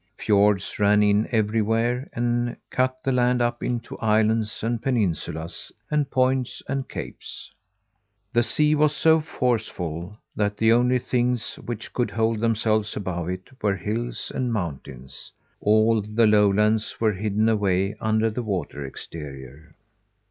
Fiords ran in everywhere, and cut the land up into islands and peninsulas and points and capes. The sea was so forceful that the only things which could hold themselves above it were hills and mountains. All the lowlands were hidden away under the water exterior.